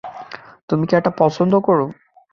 তুমি কি এটা পছন্দ কর?